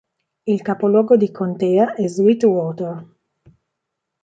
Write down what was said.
Il capoluogo di contea è Sweetwater.